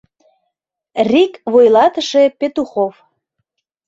РИК ВУЙЛАТЫШЕ ПЕТУХОВ